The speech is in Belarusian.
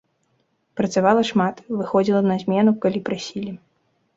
Працавала шмат, выходзіла на змену, калі прасілі.